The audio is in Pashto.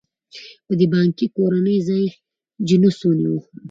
په دې بانکي کورنۍ ځای جینوس ونیوه.